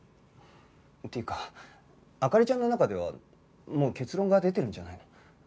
っていうか灯ちゃんの中ではもう結論が出てるんじゃないの？